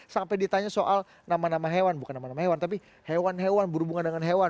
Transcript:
sampai ditanya soal nama nama hewan bukan nama nama hewan tapi hewan hewan berhubungan dengan hewan